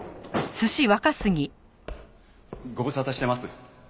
ご無沙汰してます。